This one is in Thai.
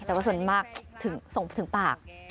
แต่ว่าส่วนมากส่งไปถึงปาก